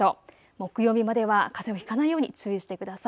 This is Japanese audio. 木曜日まではかぜをひかないように注意してください。